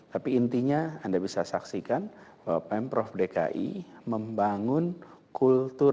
tapi intinya anda bisa saksikan bahwa pemprov dki membangun kultur